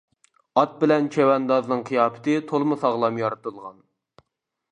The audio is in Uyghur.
ئات بىلەن چەۋەندازنىڭ قىياپىتى تولىمۇ ساغلام يارىتىلغان.